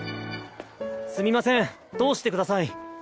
すみません通してください。